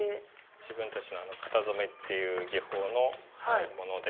自分たちの型染めっていう技法のもので。